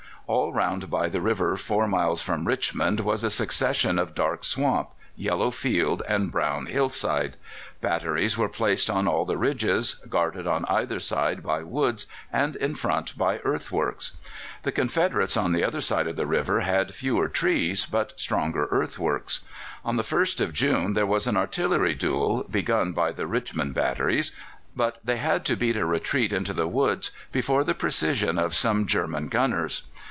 All round by the river four miles from Richmond was a succession of dark swamp, yellow field, and brown hill side. Batteries were placed on all the ridges, guarded on either side by woods and in front by earthworks. The Confederates on the other side of the river had fewer trees but stronger earthworks. On the 1st of June there was an artillery duel, begun by the Richmond batteries, but they had to beat a retreat into the woods before the precision of some German gunners.